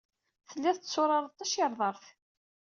Tellid tetturared tacirḍart.